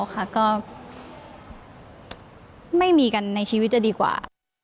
ก็ไม่มีกันในชีวิตจะดีกว่า